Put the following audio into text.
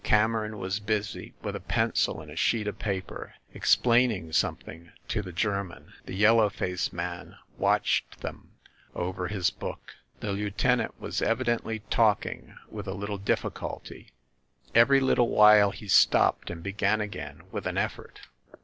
Cameron was busy with a pen cil and a sheet of paper, explaining something to the German. The yellow faced man watched them over his book. The lieutenant was evidently talking with a little difficulty; every little while he stopped, and be gan again with an effort.